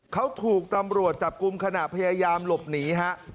เขาถูกตำรวจจับกลุ่มขณะพยายามหลบหนีฮะ